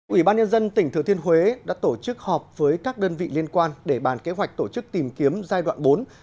ủy ban nhân dân tỉnh thừa thiên huế đã tổ chức họp với các đơn vị liên quan để bàn kế hoạch tổ chức tìm kiếm giai đoạn bốn